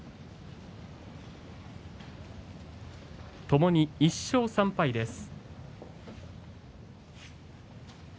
ともに１勝３敗です。